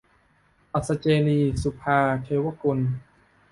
อัศเจรีย์ - สุภาว์ เทวกุล